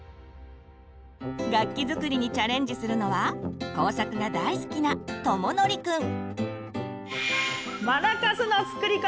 楽器作りにチャレンジするのは工作が大好きなとものりくん。